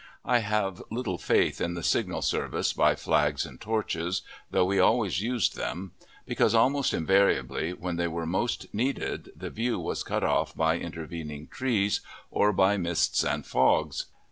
I have little faith in the signal service by flags and torches, though we always used them; because, almost invariably when they were most needed, the view was cut off by intervening trees, or by mists and fogs.